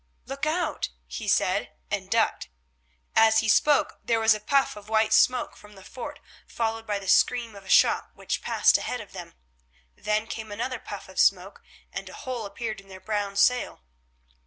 "Look out!" he said, and ducked. As he spoke there was a puff of white smoke from the fort, followed by the scream of a shot which passed ahead of them. Then came another puff of smoke, and a hole appeared in their brown sail.